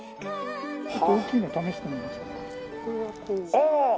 ああ！